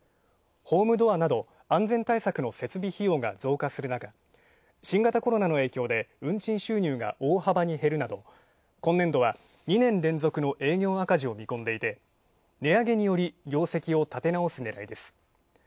ホームドアなど安全対策の設備費用が増加する中、新型コロナの影響で運賃収入が大幅に減るなど今年度は２年連続の営業赤字を見込んでいて、値上げにより業績を立て直すねらいです。